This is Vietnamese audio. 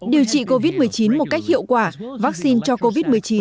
điều trị covid một mươi chín một cách hiệu quả vaccine cho covid một mươi chín